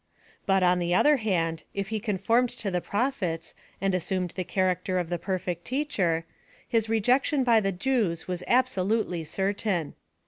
But, on the other hand, if he conformed to the prophets, and assumed the character of a perfect teacher, his rejection by the Jews was absolute^' certain.!